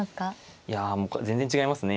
いや全然違いますね